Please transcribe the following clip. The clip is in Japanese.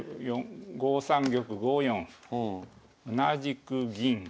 ５三玉５四歩同じく銀